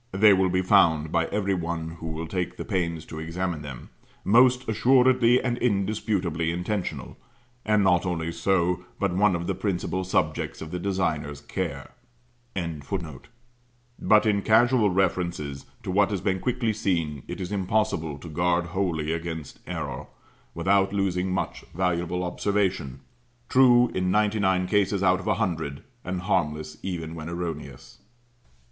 They will be found, by every one who will take the pains to examine them, most assuredly and indisputably intentional, and not only so, but one of the principal subjects of the designer's care.] but in casual references to what has been quickly seen, it is impossible to guard wholly against error, without losing much valuable observation, true in ninety nine cases out of a hundred, and harmless even when erroneous.